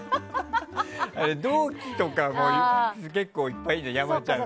同期とかも結構いっぱいいるじゃん